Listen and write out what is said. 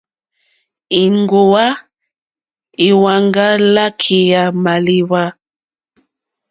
Íŋgòwá íhwáŋgà lǎkèyà mâlíwà.